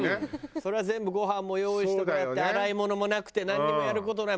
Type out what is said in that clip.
それは全部ごはんも用意してもらって洗い物もなくてなんにもやる事ない。